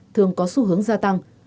thường có xu hướng gia tăng